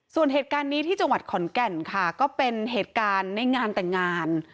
ส่วนเหตุการณ์นี้ที่จังหวัดขอนแก่นค่ะก็เป็นเหตุการณ์ในงานแต่งงาน